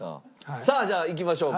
さあじゃあいきましょうか。